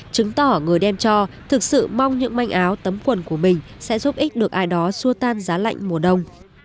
chứng tỏ người đem cho thực sự mong những manh áo tấm quần của mình sẽ giúp ích được ai đó xua tan giá lạnh mùa đông